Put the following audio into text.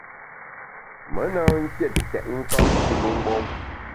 Me na mfiét tètnkam kilu mgbom.